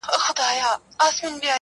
آسمانه ما خو داسي نه غوښتله.!